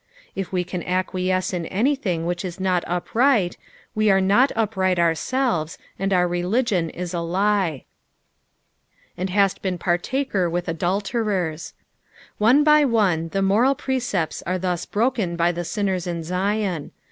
If we can acquiesce in anything which is not upright, we are not upright ourselves, and our religion is a lie. "And halt been partaker uriCA adulterert.''' One by one the moral precepts are thus broken by the sinners in Zion.